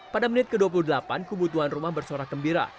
pada menit ke dua puluh delapan kubu tuan rumah bersuara kembira